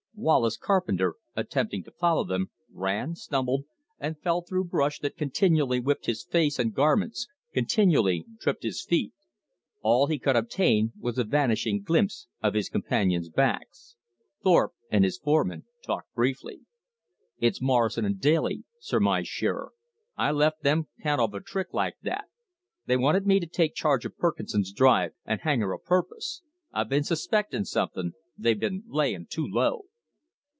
Wallace Carpenter, attempting to follow them, ran, stumbled, and fell through brush that continually whipped his face and garments, continually tripped his feet. All he could obtain was a vanishing glimpse of his companions' backs. Thorpe and his foreman talked briefly. "It's Morrison and Daly," surmised Shearer. "I left them 'count of a trick like that. They wanted me to take charge of Perkinson's drive and hang her a purpose. I been suspecting something they've been layin' too low."